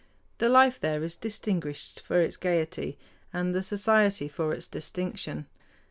The life there is distinguished for its gaiety, and the society for its distinction.